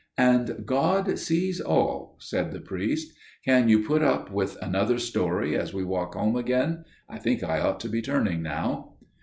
"And God sees all:" said the priest. "Can you put up with another story as we walk home again? I think I ought to be turning now."